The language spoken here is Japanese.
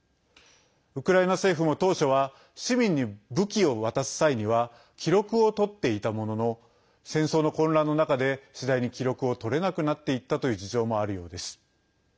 ウクライナ政府も当初は市民に武器を渡す際には記録をとっていたものの戦争の混乱の中で次第に記録をとれなくなっていったという事情もあるようです。